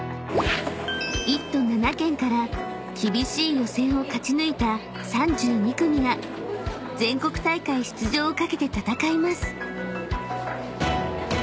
［１都７県から厳しい予選を勝ち抜いた３２組が全国大会出場を懸けて戦います］